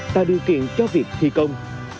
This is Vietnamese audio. tạo điều kiện cho việc thi công